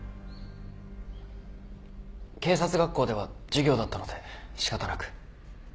警察学校では授業だったので仕方なく。